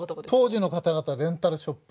当時の方々がレンタルショップ。